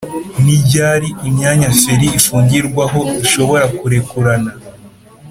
ni ryari imyanya feri ifungirwaho ishobora kurekurana